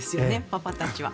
パパたちは。